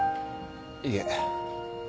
いえ。